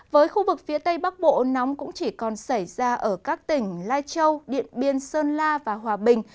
với khu vực phía tây bắc bộ nóng cũng chỉ còn xảy ra ở các tỉnh lai châu điện biên sơn la và hòa bình